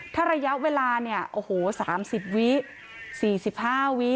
ถ้าระยะเวลาเนี้ยโอ้โหสามสิบวินาทีสี่สิบห้าวินาที